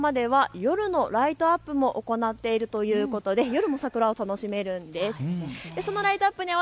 ４月９日までは夜のライトアップも行っているということで夜の桜も楽しめるんです。